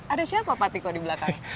ada siapa pak tiko di belakang